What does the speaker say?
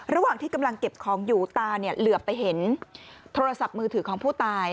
ระหว่างที่กำลังเก็บของอยู่ตาเนี่ยเหลือไปเห็นโทรศัพท์มือถือของผู้ตาย